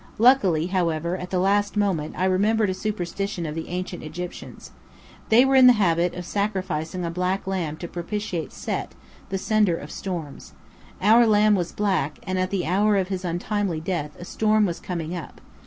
Luckily, however, at the last moment I remembered a superstition of the Ancient Egyptians. They were in the habit of sacrificing a black lamb to propitiate Set, the sender of storms. Our lamb was black: and at the hour of his untimely death a storm was coming up.